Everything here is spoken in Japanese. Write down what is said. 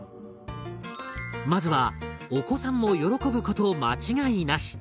まずはお子さんも喜ぶこと間違いなし！